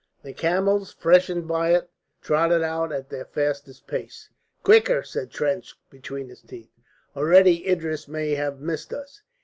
The camels, freshened by it, trotted out at their fastest pace. "Quicker," said Trench, between his teeth. "Already Idris may have missed us."